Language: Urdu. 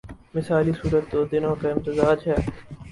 مثالی صورت تو دونوں کا امتزاج ہے۔